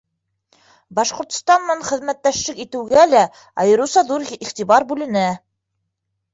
Башҡортостан менән хеҙмәттәшлек итеүгә лә айырыуса ҙур иғтибар бүленә.